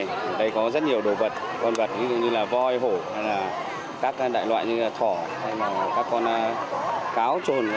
ở đây có rất nhiều đồ vật con vật như là voi hổ các loại như là thỏ hay là các con cáo trồn